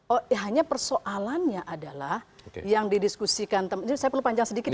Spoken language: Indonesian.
oh ya hanya persoalannya adalah yang didiskusikan jadi saya perlu panjang sedikit ya